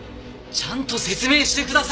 ちゃんと説明してください！